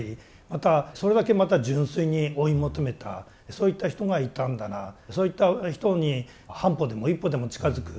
またそれだけまた純粋に追い求めたそういった人がいたんだなそういった人に半歩でも一歩でも近づく。